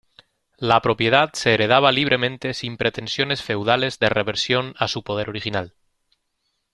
La propiedad se heredaba libremente sin pretensiones feudales de reversión a su poder original.